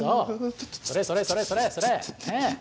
それそれそれそれそれね。